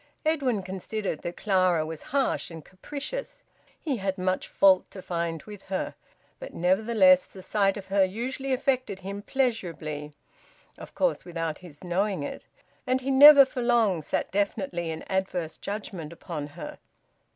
Edwin considered that Clara was harsh and capricious; he had much fault to find with her; but nevertheless the sight of her usually affected him pleasurably (of course without his knowing it), and he never for long sat definitely in adverse judgement upon her.